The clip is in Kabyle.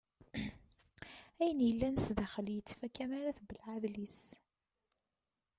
Ayen yellan sdaxel yettfaka mi ara tbelleɛ adlis.